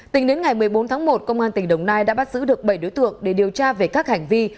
tính đến ngày một mươi bốn tháng một công an tỉnh đồng nai đã bắt giữ được bảy đối tượng để điều tra về các hành vi